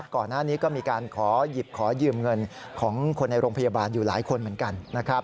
ก่อนหน้านี้ก็มีการขอหยิบขอยืมเงินของคนในโรงพยาบาลอยู่หลายคนเหมือนกันนะครับ